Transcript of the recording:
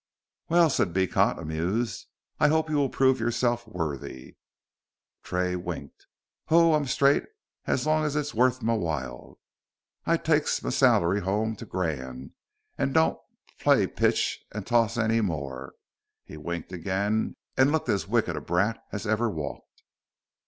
"Well," said Beecot, amused, "I hope you will prove yourself worthy." Tray winked. "Ho! I'm straight es long es it's wuth m'while. I takes m'sal'ry 'ome to gran, and don't plaiy pitch an' torse n'more." He winked again, and looked as wicked a brat as ever walked.